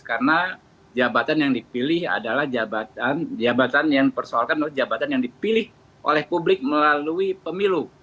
karena jabatan yang dipilih adalah jabatan yang dipilih oleh publik melalui pemilu